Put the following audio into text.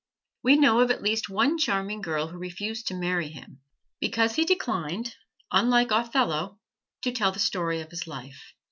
We know of at least one charming girl who refused to marry him, because he declined, unlike Othello, to tell the story of his life.